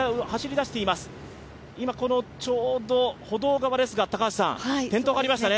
今、ちょうど歩道側ですが転倒がありましたね。